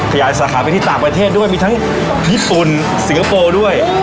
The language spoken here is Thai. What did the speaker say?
สาขาไปที่ต่างประเทศด้วยมีทั้งญี่ปุ่นสิงคโปร์ด้วย